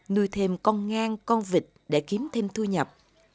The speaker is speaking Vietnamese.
nuôi thêm con ngang con vịt để kiếm thêm thu nhập